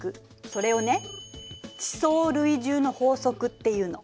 それをね「地層累重の法則」っていうの。